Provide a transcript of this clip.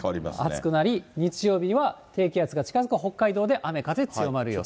暑くなり、低気圧が近づく北海道で雨風強まる予想。